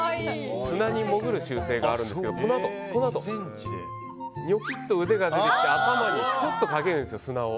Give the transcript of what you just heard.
砂に潜る習性があるんですがこのあとニョキッと腕が出てきて頭に砂をかけるんですよ。